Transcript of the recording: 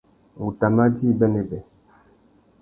Ngu tà mà djï bênêbê.